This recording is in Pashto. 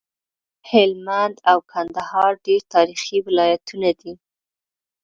هلمند او کندهار ډير تاريخي ولايتونه دي